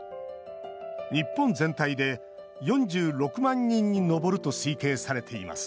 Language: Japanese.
日本全体で４６万人に上ると推計されています